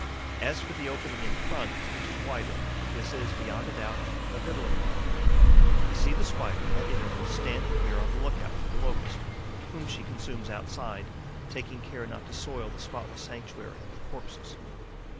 As for the opening in front, which is wider, this is, beyond a doubt, a victualling door. I see the Spider, at intervals, standing here on the look out for the Locust, whom she consumes outside, taking care not to soil the spotless sanctuary with corpses.